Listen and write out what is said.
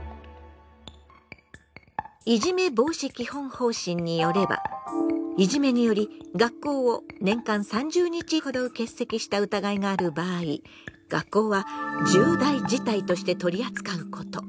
「いじめ防止基本方針」によればいじめにより学校を年間３０日ほど欠席した疑いがある場合学校は「重大事態」として取り扱うこと。